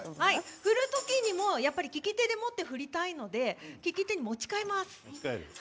振る時にも利き手で持って振りたいので利き手、持ち替えます。